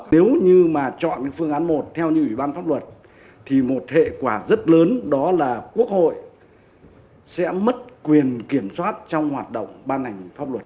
nếu như mà chọn phương án một theo như ủy ban pháp luật thì một hệ quả rất lớn đó là quốc hội sẽ mất quyền kiểm soát trong hoạt động ban hành pháp luật